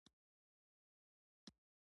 ما ته په زړه پوري وه …